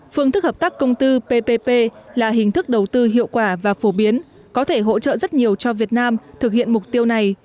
phương thức hợp tác công tư ppp là hình thức đầu tư hiệu quả và phổ biến có thể hỗ trợ rất nhiều cho việt nam thực hiện mục tiêu này